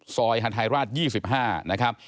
ซอยฮาธายราช๒๕นะครับ